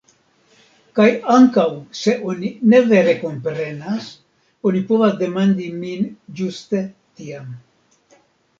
Kaj ankaŭ se oni ne vere komprenas, oni povas demandi min ĝuste tiam.